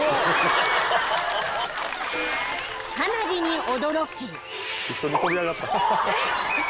［花火に驚き］